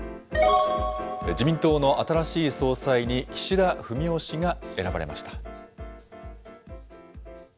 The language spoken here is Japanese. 自民党の新しい総裁に岸田文雄氏が選ばれました。